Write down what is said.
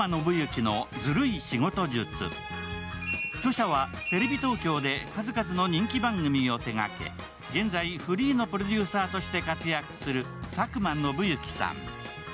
著者はテレビ東京で数々の人気番組を手掛け、現在フリーのプロデューサーとして活躍する佐久間宣行さん。